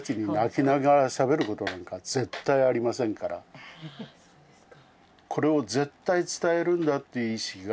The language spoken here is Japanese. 実はそうですか。